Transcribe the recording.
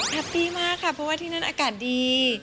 ปี้มากค่ะเพราะว่าที่นั่นอากาศดี